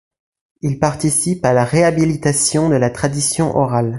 Il participe à la réhabilitation de la tradition orale.